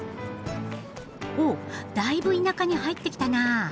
おおだいぶ田舎に入ってきたなあ。